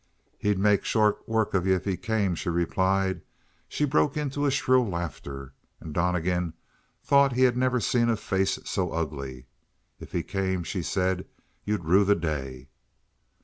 "He'd make short work of you if he came," she replied. She broke into a shrill laughter, and Donnegan thought he had never seen a face so ugly. "If he came," she said, "you'd rue the day."